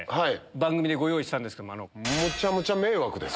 番組でご用意したんですけど。